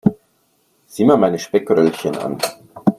Sieh mal meine Speckröllchen an.